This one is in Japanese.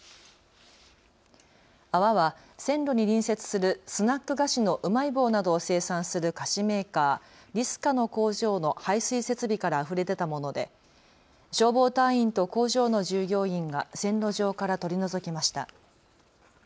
泡は線路に隣接するスナック菓子のうまい棒などを生産する菓子メーカー、リスカの工場の排水設備からあふれ出たもので消防隊員と工場の従業員が線路上から取り除きました。